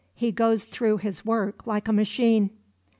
He goes through his work like a machine."